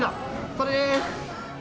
これです。